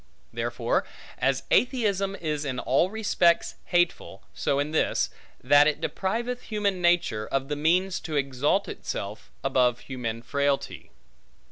Therefore, as atheism is in all respects hateful, so in this, that it depriveth human nature of the means to exalt itself, above human frailty.